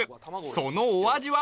そのお味は？